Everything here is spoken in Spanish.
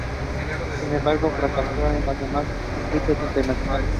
Sin embargo fracaso en las demás listas internacionales.